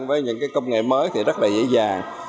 với những công nghệ mới thì rất dễ dàng